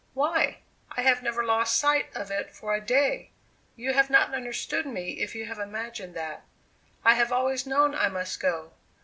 Why, I have never lost sight of it for a day. You have not understood me if you have imagined that. I have always known I must go.